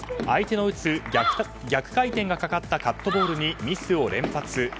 相手の打つ逆回転がかかったカットボールにミスを連発。